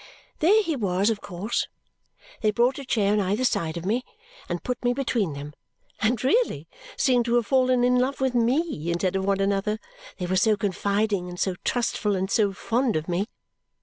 There he was, of course. They brought a chair on either side of me, and put me between them, and really seemed to have fallen in love with me instead of one another, they were so confiding, and so trustful, and so fond of me.